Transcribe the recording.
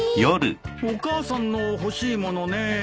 お母さんの欲しいものねえ。